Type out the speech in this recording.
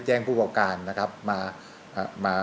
แจ้งผู้ปกการนะครับมา